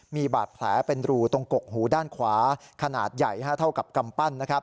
มีบาดแผลเป็นรูตรงกกหูด้านขวาขนาดใหญ่เท่ากับกำปั้น